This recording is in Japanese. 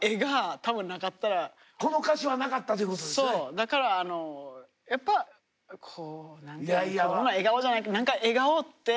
だからやっぱこう笑顔じゃないけど何か笑顔って。